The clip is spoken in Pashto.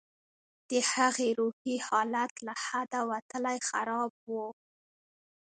د هغې روحي حالت له حده وتلى خراب و.